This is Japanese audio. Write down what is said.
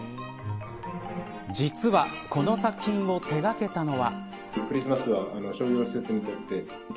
実は、この作品を手がけたのは。